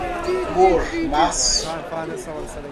Mormaço